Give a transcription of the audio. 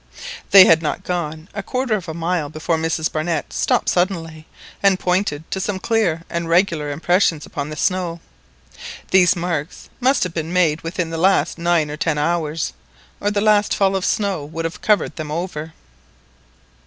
They had not gone a quarter of a mile before Mrs Barnett stopped suddenly, and pointed to some clear and regular impressions upon the snow. These marks must have been made within the last nine or ten hours, or the last fall of snow would have covered them over.